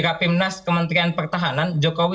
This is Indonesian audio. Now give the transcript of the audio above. rapimnas kementerian pertahanan jokowi